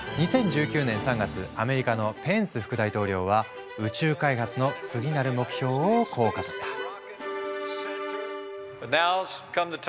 ２０１９年３月アメリカのペンス副大統領は宇宙開発の次なる目標をこう語った。